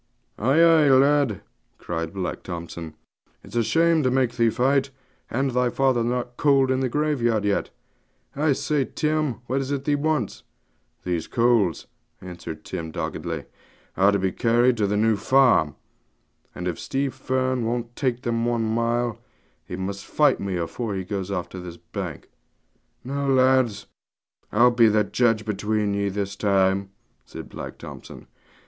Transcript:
'Ay, ay, lad,' cried Black Thompson; 'it's a shame to make thee fight, and thy father not cold in the graveyard yet. I say, Tim, what is it thee wants?' 'These coals,' answered Tim doggedly, 'are to be carried to the New Farm; and if Stevie Fern won't take them one mile, he must fight me afore he goes off this bank.' 'Now, lads, I'll judge between ye this time,' said Black Thompson.